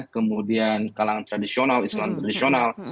kemudian kalangan tradisional islam tradisional